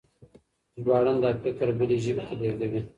ژباړن دا فکر بلې ژبې ته لېږدوي.